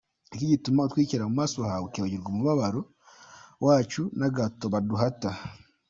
Ni iki gituma utwikīra mu maso hawe, Ukibagirwa umubabaro wacu n’agahato baduhata?